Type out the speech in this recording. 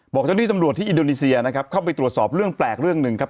เจ้าหน้าที่ตำรวจที่อินโดนีเซียนะครับเข้าไปตรวจสอบเรื่องแปลกเรื่องหนึ่งครับ